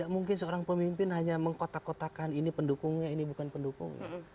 mungkin seorang pemimpin hanya mengkotak kotakan ini pendukungnya ini bukan pendukungnya